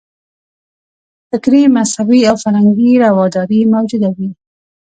فکري، مذهبي او فرهنګي رواداري موجوده وي.